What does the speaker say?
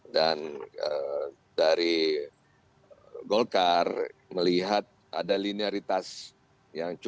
dan dari golkar melihat ada linearitas yang cukup